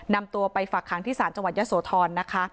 นำตัวไปฝากคางที่ศาลจังหวัดยศธร